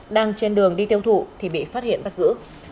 đang trên đường đi tiêu thụ thì bị phát hiện bắt giữ